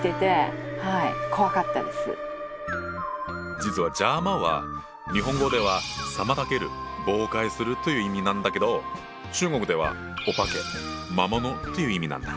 実は「邪魔」は日本語では「妨げる・妨害する」という意味なんだけど中国では「お化け・魔物」という意味なんだ。